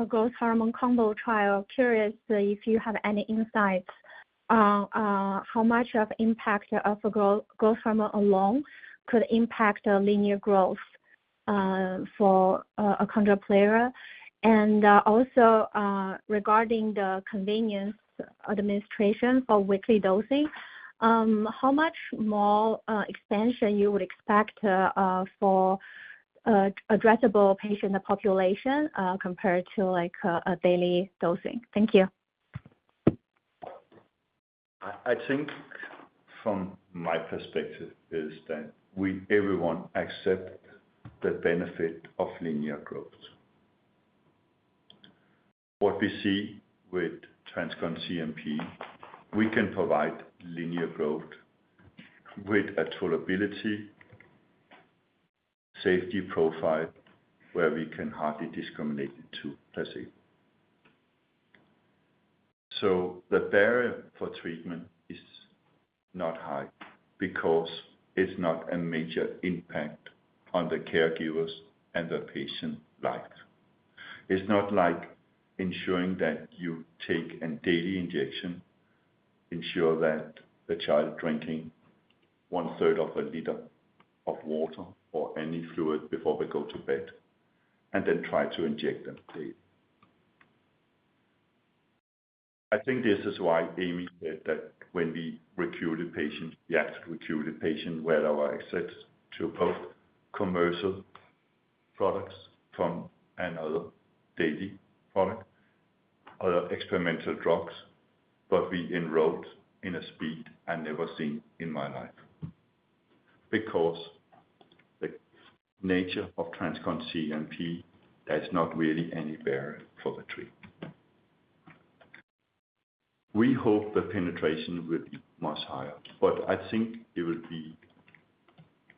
growth hormone combo trial. Curious if you have any insights on how much of impact your other growth hormone alone could impact our linear growth for achondroplasia? And also regarding the convenience administration for weekly dosing, how much more expansion you would expect for addressable patient population compared to, like, a daily dosing? Thank you. I think from my perspective is that we everyone accept the benefit of linear growth. What we see with TransCon CNP, we can provide linear growth with a tolerability safety profile where we can hardly discriminate the two per se. So the barrier for treatment is not high because it's not a major impact on the caregivers and the patient life. It's not like ensuring that you take a daily injection, ensure that the child drinking one third of a liter of water or any fluid before they go to bed, and then try to inject them daily. I think this is why Aimee said that when we recruit a patient, we have to recruit a patient where our access to both commercial products from another daily product, other experimental drugs, but we enrolled in a speed I never seen in my life. Because the nature of TransCon CNP, there's not really any barrier for the treatment. We hope the penetration will be much higher, but I think it will be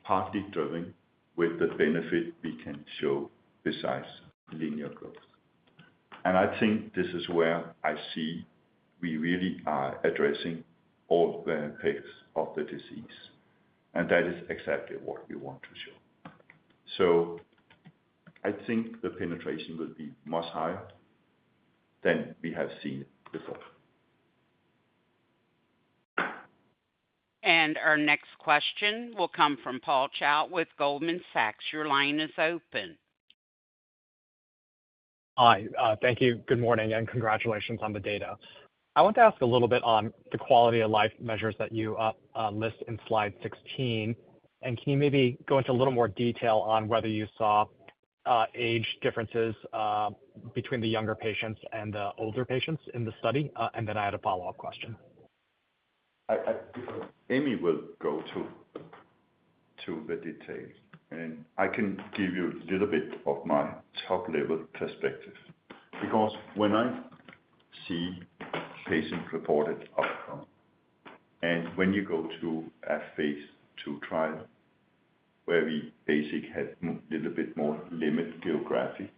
partly driven with the benefit we can show besides linear growth. And I think this is where I see we really are addressing all the impacts of the disease, and that is exactly what we want to show. So I think the penetration will be much higher than we have seen before.... And our next question will come from Paul Choi with Goldman Sachs. Your line is open. Hi, thank you. Good morning, and congratulations on the data. I want to ask a little bit on the quality of life measures that you list in slide 16. And can you maybe go into a little more detail on whether you saw age differences between the younger patients and the older patients in the study? And then I had a follow-up question. I, Aimee will go to the details, and I can give you a little bit of my top-level perspective. Because when I see patient-reported outcome, and when you go to a phase II trial, where we basically had little bit more limited geographic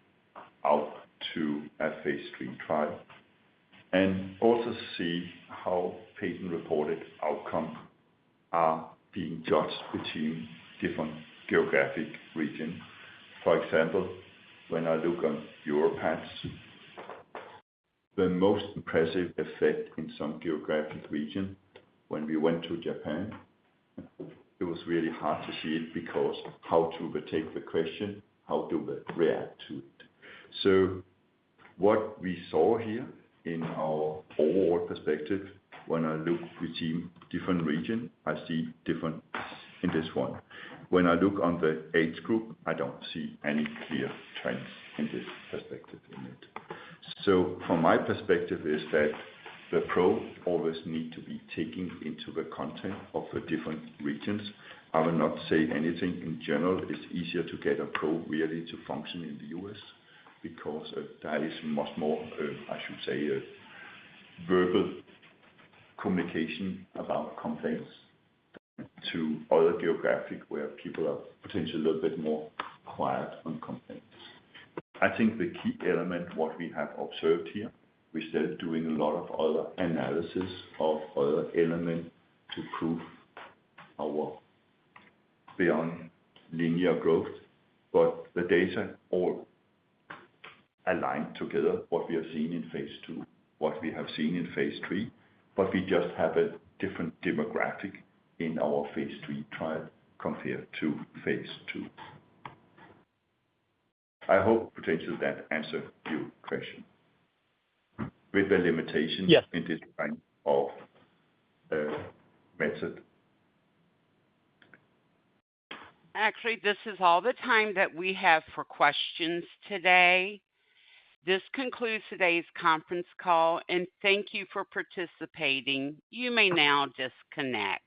out to a phase III trial, and also see how patient-reported outcome are being judged between different geographic region. For example, when I look on Yorvipath, the most impressive effect in some geographic region, when we went to Japan, it was really hard to see it because how to take the question, how to react to it. So what we saw here in our overall perspective, when I look between different region, I see different in this one. When I look on the age group, I don't see any clear trends in this perspective in it. From my perspective, it is that the PRO always needs to be taken into the context of the different regions. I will not say anything in general. It is easier to get a PRO really to function in the US because there is much more, I should say, a verbal communication about complaints to other geographies, where people are potentially a little bit more quiet on complaints. I think the key element, what we have observed here, we're still doing a lot of other analysis of other elements to prove our beyond linear growth, but the data all align together. What we have seen in phase II, what we have seen in phase III, but we just have a different demographic in our phase III trial compared to phase II. I hope potentially that answers your question with the limitations. Yes. In this kind of method. Actually, this is all the time that we have for questions today. This concludes today's conference call, and thank you for participating. You may now disconnect.